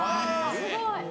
すごい。